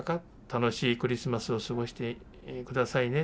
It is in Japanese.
楽しいクリスマスを過ごしてくださいね。